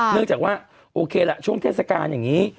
เนื่องจากว่าโอเคล่ะช่วงเทศกาลอย่างนี้